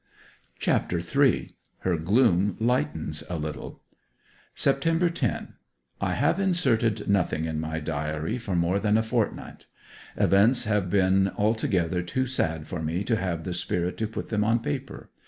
CHAPTER III. HER GLOOM LIGHTENS A LITTLE September 10. I have inserted nothing in my diary for more than a fortnight. Events have been altogether too sad for me to have the spirit to put them on paper.